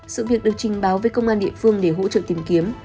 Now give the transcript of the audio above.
sự việc được trình báo với công an địa phương để hỗ trợ tìm kiếm